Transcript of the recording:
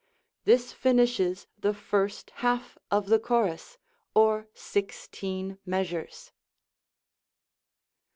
This finishes the first half of the chorus, or 16 measures.